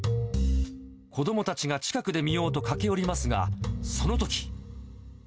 子どもたちが近くで見ようと駆け寄りますが、そのとき。